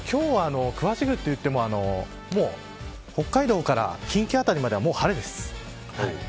今日は詳しくといってももう北海道から近畿辺りまでは晴れです。